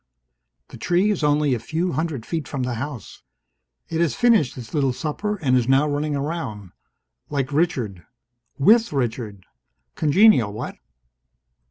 The tree is only a few hundred feet from the house. It has finished its little supper and is now running around. Like Richard. With Richard! Congenial, what?